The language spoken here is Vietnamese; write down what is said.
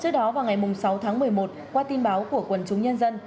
trước đó vào ngày sáu tháng một mươi một qua tin báo của quần chúng nhân dân